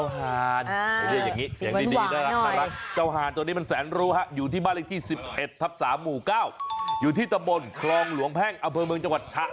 ห่านจ้าวห่านเรียกอย่างงี้เสียงดีน่ารัก